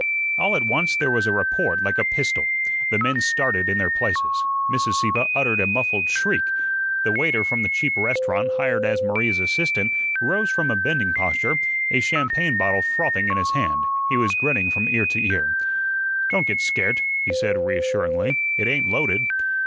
All at once there was a report like a pistol. The men started in their places. Mrs. Sieppe uttered a muffled shriek. The waiter from the cheap restaurant, hired as Maria's assistant, rose from a bending posture, a champagne bottle frothing in his hand; he was grinning from ear to ear. "Don't get scairt," he said, reassuringly, "it ain't loaded."